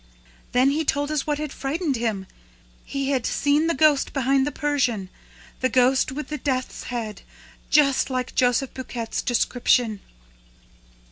Then he told us what had frightened him. He had seen the ghost behind the Persian, THE GHOST WITH THE DEATH'S HEAD just like Joseph Buquet's description!"